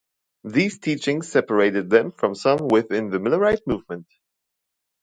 These teachings separated them from some within the Millerite movement.